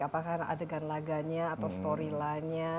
apakah adegan laganya atau story lahnya